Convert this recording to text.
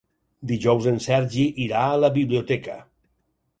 Dijous en Sergi irà a la biblioteca.